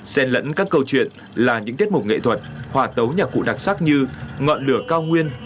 xen lẫn các câu chuyện là những tiết mục nghệ thuật hòa tấu nhạc cụ đặc sắc như ngọn lửa cao nguyên